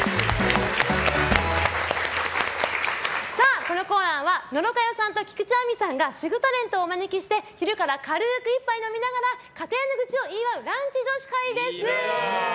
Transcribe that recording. このコーナーは野呂佳代さんと菊地亜美さんが主婦タレントをお招きして昼から軽く１杯飲みながら家庭の愚痴を言い合うランチ女子会です！